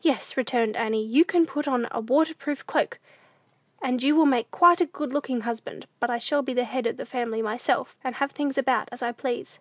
"Yes," returned Annie, "you can put on a waterproof cloak, and you will make quite a good looking husband; but I shall be the head of the family myself, and have things about as I please!"